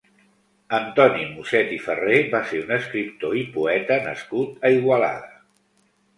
Antoni Muset i Ferrer va ser un escriptor i poeta nascut a Igualada.